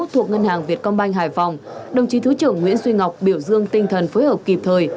thuộc ngân hàng việt công banh hải phòng đồng chí thứ trưởng nguyễn duy ngọc biểu dương tinh thần phối hợp kịp thời